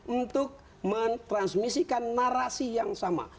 untuk mentransmisikan narasi yang sama